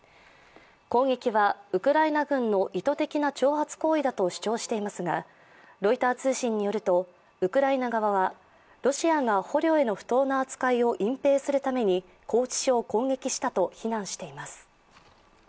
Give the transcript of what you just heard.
攻撃はウクライナ軍の意図的な挑発行為だと主張していますがロイター通信によると、ウクライナ側はロシアが捕虜への不当な扱いを隠蔽するために拘置所を攻撃したと非難しています。